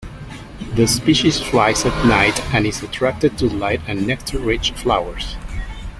The species flies at night and is attracted to light and nectar-rich flowers.